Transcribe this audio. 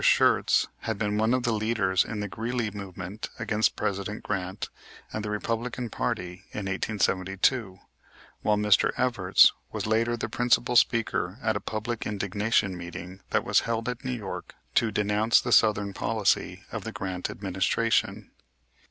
Schurz had been one of the leaders in the Greeley movement against President Grant and the Republican party in 1872, while Mr. Evarts was later the principal speaker at a public indignation meeting that was held at New York to denounce the southern policy of the Grant administration.